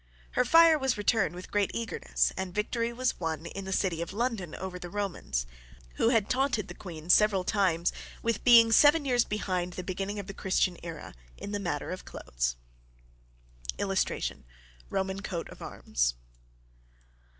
Her fire was returned with great eagerness, and victory was won in the city of London over the Romans, who had taunted the queen several times with being seven years behind the beginning of the Christian Era in the matter of clothes. [Illustration: ROMAN COAT OF ARMS.